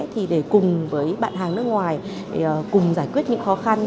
thì để cùng với bạn hàng nước ngoài cùng giải quyết những khó khăn